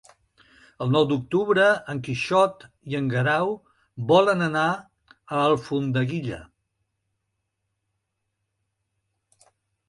El nou d'octubre en Quixot i en Guerau volen anar a Alfondeguilla.